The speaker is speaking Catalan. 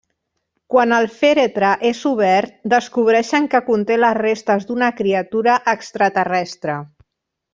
Quan el fèretre és obert, descobreixen que conté les restes d'una criatura extraterrestre.